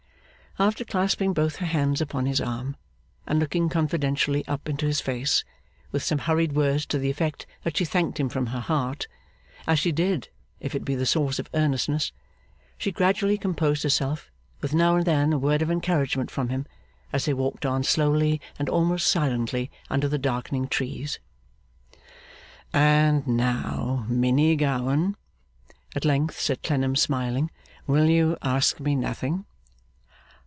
After clasping both her hands upon his arm, and looking confidentially up into his face, with some hurried words to the effect that she thanked him from her heart (as she did, if it be the source of earnestness), she gradually composed herself, with now and then a word of encouragement from him, as they walked on slowly and almost silently under the darkening trees. 'And, now, Minnie Gowan,' at length said Clennam, smiling; 'will you ask me nothing?